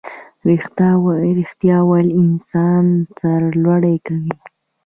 ریښتیا ویل انسان سرلوړی کوي